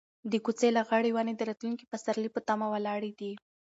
د کوڅې لغړې ونې د راتلونکي پسرلي په تمه ولاړې دي.